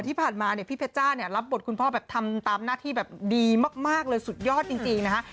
ที่ผ่านมาพี่เพจ้ารับบทคุณพ่อทำตามหน้าที่ดีมากเลยสุดยอดจริงนะคะ